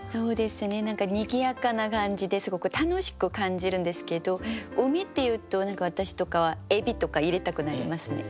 何かにぎやかな感じですごく楽しく感じるんですけど海っていうと私とかはエビとか入れたくなりますね。